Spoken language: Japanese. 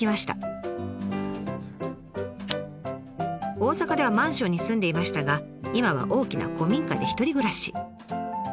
大阪ではマンションに住んでいましたが今は大きな古民家で１人暮らし。